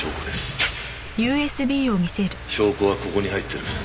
証拠はここに入ってる。